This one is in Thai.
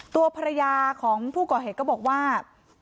ตัวภรรยาของผู้ก่อเหตุก็บอกว่า